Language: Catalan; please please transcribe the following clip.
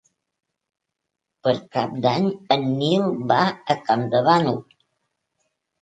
Per Cap d'Any en Nil va a Campdevànol.